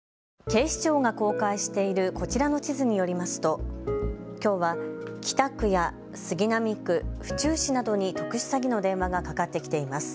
警視庁が公開しているこちらの地図によりますときょうは北区や杉並区、府中市などに特殊詐欺の電話がかかってきています。